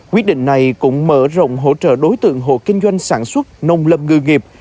quyết định này cũng mở rộng hỗ trợ đối tượng hộ kinh doanh sản xuất nông lâm ngư nghiệp